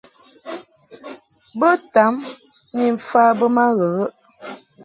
Bo tam ni mfa be ma ghəghəʼ.